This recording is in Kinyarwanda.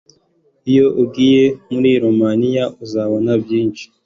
Iyo ugiye muri Romania uzabona byinshi